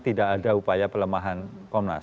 tidak ada upaya pelemahan komnas